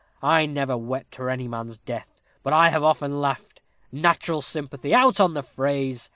I never wept for any man's death, but I have often laughed. Natural sympathy! out on the phrase!